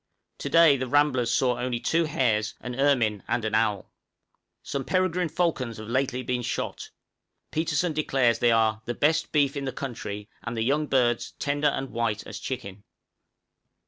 To day the ramblers saw only two hares, an ermine, and an owl. Some peregrine falcons have lately been shot; Petersen declares they are "_the best beef in the country, and the young birds tender and white as chicken!